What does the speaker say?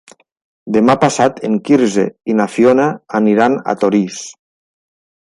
Demà passat en Quirze i na Fiona aniran a Torís.